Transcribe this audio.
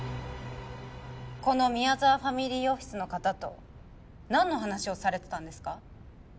この宮沢ファミリーオフィスの方と何の話をされてたんですか？